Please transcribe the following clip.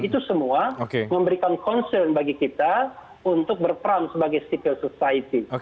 itu semua memberikan concern bagi kita untuk berperan sebagai civil society